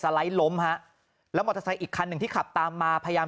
ไลด์ล้มฮะแล้วมอเตอร์ไซค์อีกคันหนึ่งที่ขับตามมาพยายาม